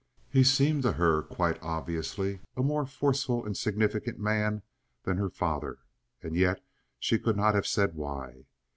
He seemed to her quite obviously a more forceful and significant man than her father, and yet she could not have said why.